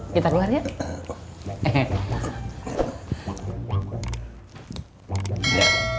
kita keluar ya